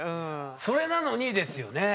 それなのにですよね。